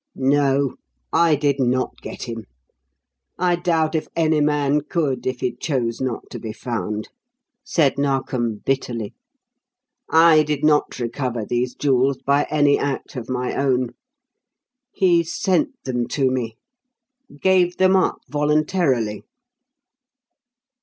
"No, I did not get him. I doubt if any man could, if he chose not to be found," said Narkom bitterly. "I did not recover these jewels by any act of my own. He sent them to me; gave them up voluntarily."